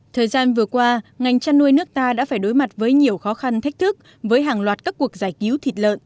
thời gian vừa qua ngành chăn nuôi nước ta đã phải đối mặt với nhiều khó khăn thách thức với hàng loạt các cuộc giải cứu thịt lợn